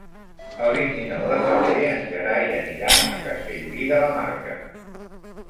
El vint-i-nou de febrer en Gerai anirà a Castellví de la Marca.